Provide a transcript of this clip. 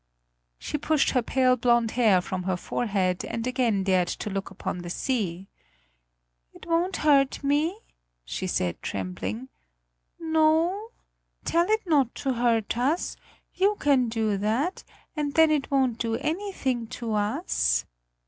She pushed her pale blond hair from her forehead and again dared to look upon the sea. "It won't hurt me," she said trembling; "no, tell it not to hurt us; you can do that, and then it won't do anything to us!"